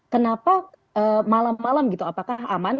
kenapa malam malam gitu apakah aman